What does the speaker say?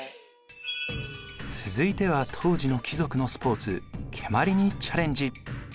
続いては当時の貴族のスポーツ蹴鞠にチャレンジ。